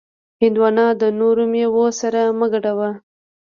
هندوانه د نورو میوو سره مه ګډوه.